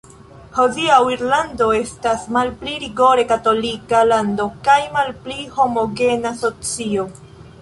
Hodiaŭ Irlando estas malpli rigore katolika lando kaj malpli homogena socio.